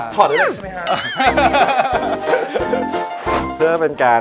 ถอดอีกไหมครับ